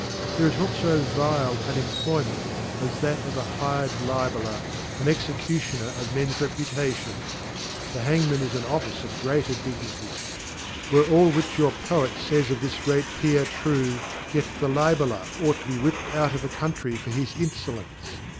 There is notfo vile an employment* as that of a Hired JJleU {er t an Executioner, of rnenr v Reputations T the Hangman is an Office* of greater Dignity/ Were all which jour Poet fays* of ihis great Fe^r trite, yet theLiheller ought to be whipt out of a Count fey for. his Infolence